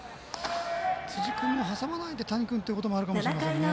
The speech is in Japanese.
辻君を挟まないで谷君ということがあるかもしれません。